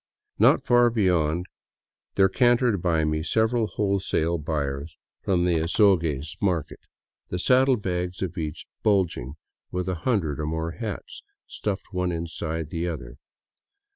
Not far beyond, there cantered by me several wholesale buyers from the Azogues 188 DOWN VOLCANO AVENUE market, the saddlebags of each bulging with a hundred or more hats, stuffed one inside the other.